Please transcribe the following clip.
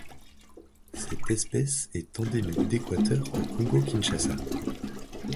Cette espèce est endémique d'Équateur au Congo-Kinshasa.